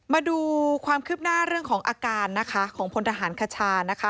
มาดูความคืบหน้าเรื่องของอาการนะคะของพลทหารคชานะคะ